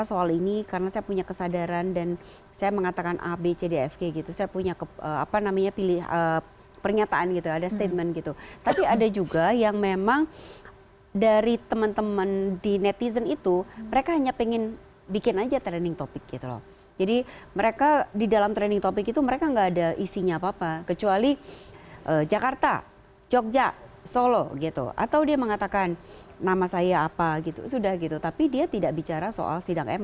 soal ini karena saya punya kesadaran dan saya mengatakan a b c d f g gitu saya punya apa namanya pilih pernyataan gitu ada statement gitu tapi ada juga yang memang dari teman teman di netizen itu mereka hanya pengen bikin aja trending topic gitu loh jadi mereka di dalam trending topic itu mereka nggak ada isinya apa apa kecuali jakarta jogja solo gitu atau dia mengatakan nama saya apa gitu sudah gitu tapi dia tidak bicara soal sidang sidang